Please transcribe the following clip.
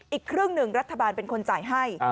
อีกครึ่งหนึ่งรัฐบาลเป็นคนจ่ายให้